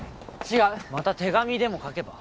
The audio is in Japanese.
違うまた手紙でも書けば？